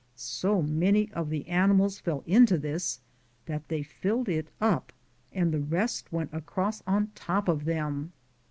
So many of the animals fell into this that they filled it up, and the rest went across on top of them.